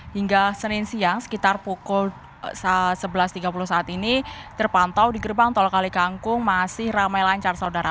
hingga senin siang sekitar pukul sebelas tiga puluh saat ini terpantau di gerbang tol kalikangkung masih ramai lancar saudara